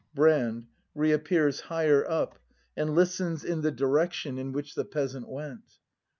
Brand. [Reappears higJier up, and listens in the direction in which the Peasant went.